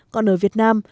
còn ở việt nam